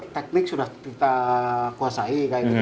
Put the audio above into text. teknik sudah kita kuasai